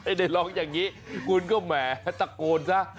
ได้ร้องอย่างนี้คุณก็แหมตะโกนซะ